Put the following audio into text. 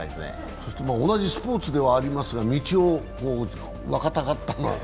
そして同じスポーツではありますが道を分かったのは？